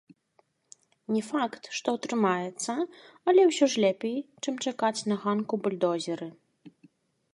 Не факт, што атрымаецца, але ўсё ж лепей, чым чакаць на ганку бульдозеры.